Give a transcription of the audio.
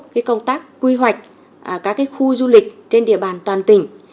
cái công tác quy hoạch các khu du lịch trên địa bàn toàn tỉnh